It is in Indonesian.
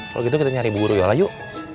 kalau gitu kita nyari bu guru yola yuk